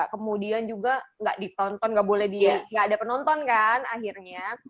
kemudian juga gak ditonton gak boleh di gak ada penonton kan akhirnya